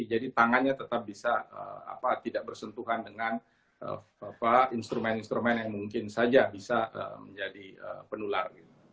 jadi tangannya tetap bisa tidak bersentuhan dengan instrumen instrumen yang mungkin saja bisa menjadi penular